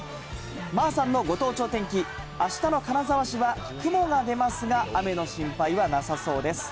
まあさんのご当地お天気、あしたの金沢市は、雲が出ますが、雨の心配はなさそうです。